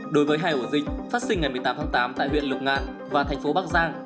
đối với hai ổ dịch phát sinh ngày một mươi tám tháng tám tại huyện lục ngạn và thành phố bắc giang